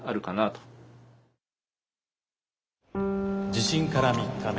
「地震から３日目